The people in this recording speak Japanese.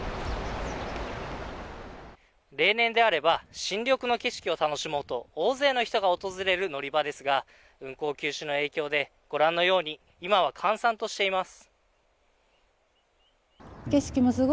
例年であれば新緑の景色を楽しもうと大勢の人が訪れる乗り場ですが運航休止の影響でご覧のように今は閑散としています。